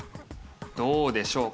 どうでしょうか？